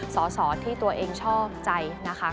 สอสอที่ตัวเองชอบใจนะคะ